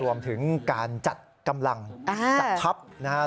รวมถึงการจัดกำลังตัดพัพ